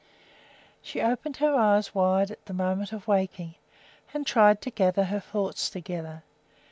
She opened her eyes wide at the moment of waking, and tried to gather her thoughts together.